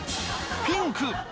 ピンク！